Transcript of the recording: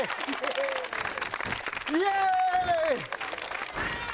イエーイ！